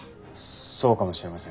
そうかもしれませんが。